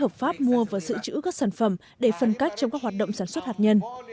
hợp pháp mua và giữ chữ các sản phẩm để phân cách trong các hoạt động sản xuất hạt nhân